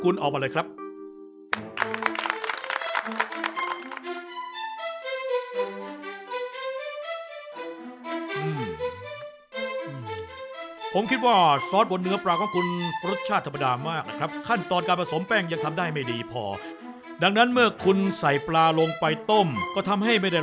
นับถ่อยหลัง๑๐วินาที